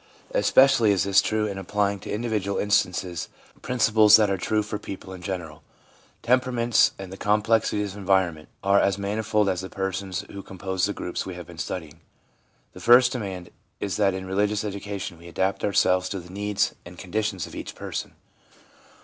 Especi ally is this true in applying to individual instances principles that are true for people in general. Tem peraments and the complexities of environment are as manifold as the persons who compose the groups we have been studying. The first demand is that in religious education we adapt ourselves to the needs and conditions of each person.